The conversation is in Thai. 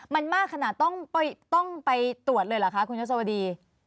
มันมากขนาดต้องไปตรวจเลยเหรอคะคุณยศวดี